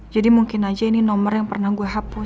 jadi mungkin aja ini nomor yang pernah gue hapus